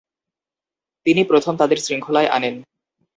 তিনি প্রথম তাদের শৃঙ্খলায় আনেন।